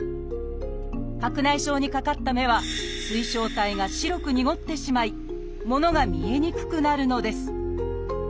白内障にかかった目は水晶体が白くにごってしまい物が見えにくくなるのです。